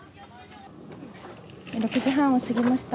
６時半を過ぎました。